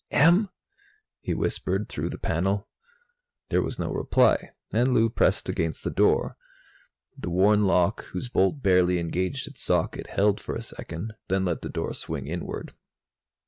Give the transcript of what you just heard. "Em?" he whispered through the panel. There was no reply, and Lou pressed against the door. The worn lock, whose bolt barely engaged its socket, held for a second, then let the door swing inward.